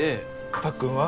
たっくんは？